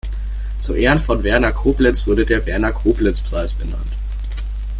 Zu Ehren von Werner Coblenz wurde der Werner-Coblenz-Preis benannt.